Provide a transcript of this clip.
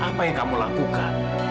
apa yang kamu lakukan